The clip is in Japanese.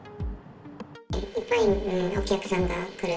いっぱいお客さんが来る。